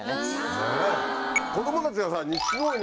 子供たちがさ。